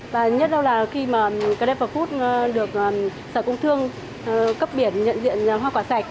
và nhất là khi mà clever food được sở công thương cấp biển nhận diện hoa quả sạch